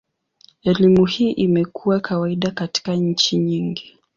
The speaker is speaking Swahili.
Elimu hii imekuwa kawaida katika nchi nyingi.